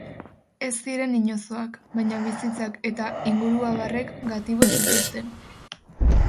Ez ziren inozoak, baina bizitzak eta inguruabarrek gatibu zituzten.